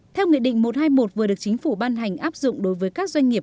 theo nghị định một trăm hai mươi một vừa được chính phủ ban hành áp dụng đối với các doanh nghiệp